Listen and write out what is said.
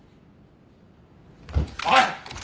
おい！